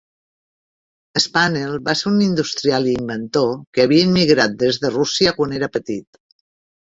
Spanel va ser un industrial i inventor que havia immigrat des de Rússia quan era petit.